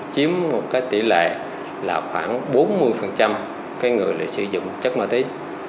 chiếm một tỷ lệ khoảng bốn mươi người sử dụng chất ma túy